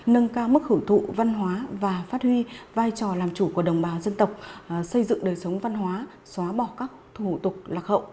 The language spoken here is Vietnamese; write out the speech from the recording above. nâng cao mức hưởng thụ văn hóa và phát huy vai trò làm chủ của đồng bào dân tộc xây dựng đời sống văn hóa xóa bỏ các thủ tục lạc hậu